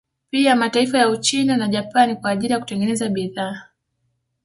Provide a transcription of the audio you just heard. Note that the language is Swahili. Pia mataifa ya Uchina na Japan kwa ajili ya kutengeneza bidhaa